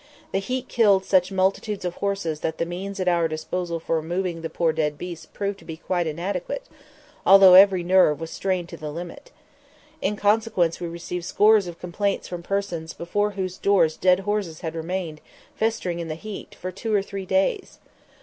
The heat killed such multitudes of horses that the means at our disposal for removing the poor dead beasts proved quite inadequate, although every nerve was strained to the limit. In consequence we received scores of complaints from persons before whose doors dead horses had remained, festering in the heat, for two or three days.